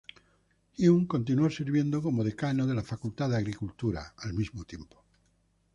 Hume continuó sirviendo como decano de la Facultad de Agricultura, al mismo tiempo.